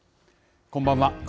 こんばんは。